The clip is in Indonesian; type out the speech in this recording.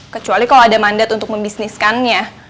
kecuali kalau ada mandat untuk membisniskannya